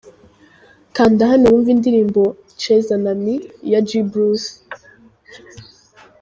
Kanda hano wumve indirimbo 'Cheza Na Mi' ya G-Bruce.